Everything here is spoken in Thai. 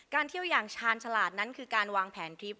เที่ยวอย่างชาญฉลาดนั้นคือการวางแผนทริป